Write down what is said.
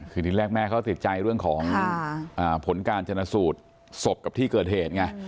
คือที่แรกแม่เขาติดใจเรื่องของผลการชนะสูตรศพกับที่เกิดเหตุไง